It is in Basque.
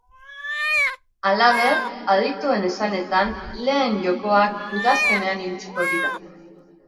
Halaber, adituen esanetan, lehen jokoak udazkenean iritsiko dira.